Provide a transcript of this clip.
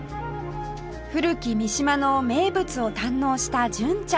古き三島の名物を堪能した純ちゃん